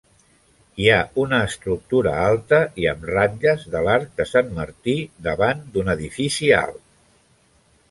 Hi ha una estructura alta i amb ratlles de l'arc de sant Martí davant d'un edifici alt.